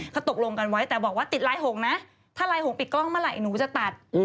เขาตกลงกันไว้แต่บอกว่าติดลายหงนะถ้าลายหงปิดกล้องเมื่อไหร่หนูจะตัด